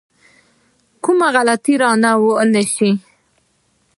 کومه غلطي رانه شوې.